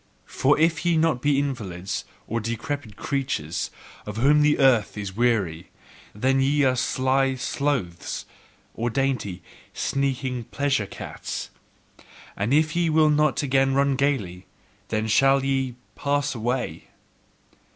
For if ye be not invalids, or decrepit creatures, of whom the earth is weary, then are ye sly sloths, or dainty, sneaking pleasure cats. And if ye will not again RUN gaily, then shall ye pass away!